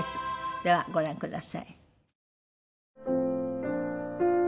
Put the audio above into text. ではご覧ください。